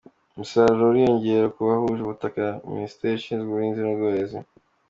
Umusaruro uriyongera ku bahuje ubutaka- Minisiteri ishinzwe ubuhinzi n’ubworozi